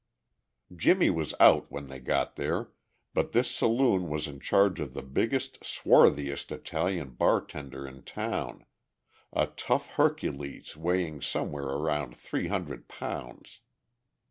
Jimmie was out when they got there, but this saloon was in charge of the biggest, swarthiest Italian bartender in town, a tough Hercules weighing somewhere around three hundred pounds.